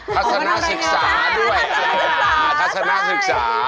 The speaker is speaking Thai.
ทัศนศึกษาด้วยทัศนศึกษาใช่ใช่ใช่